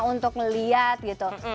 untuk melihat gitu